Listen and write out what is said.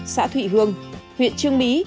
xã thụy hương huyện trương mỹ